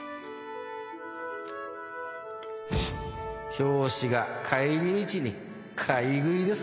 教師が帰り道に買い食いですか。